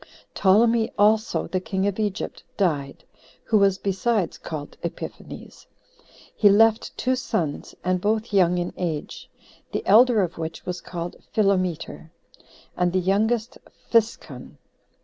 Ptolemy also, the king of Egypt, died, who was besides called Epiphanes. He left two sons, and both young in age; the elder of which was called Philometer, and the youngest Physcon.